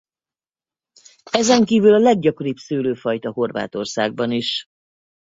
Ezenkívül a leggyakoribb szőlőfajta Horvátországban is.